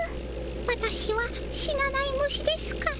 わたしは死なない虫ですから。